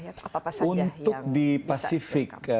untuk di pasifik